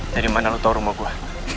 dari mana lo tahu rumah gue